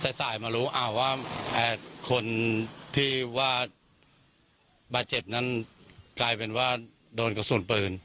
สายสายมารู้ว่าคนที่ว่าบาดเจ็บนั้นกลายเป็นว่าโดนกระสุนปืน